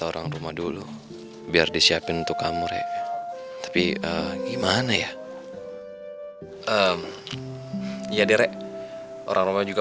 pulang rumah dulu biar disiapin untuk kamu re tapi gimana ya eh iya deh re orang rumah juga